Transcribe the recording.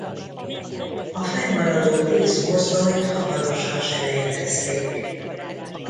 A fennmaradó tíz mozdonyt hamarosan selejtezték.